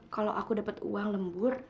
kalau aku dapat uang lembur